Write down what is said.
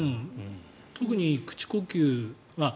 特に口呼吸。